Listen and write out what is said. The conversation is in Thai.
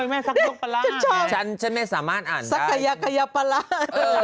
ไม่ได้ฉันไม่ได้